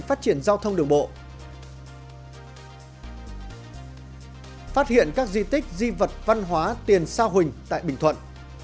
phát hiện các di tích di vật văn hóa tiền sao hình tại bình thuận